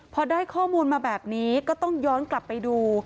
พอได้ข้อมูลมาแบบนี้ก็ต้องย้อนกลับไปดู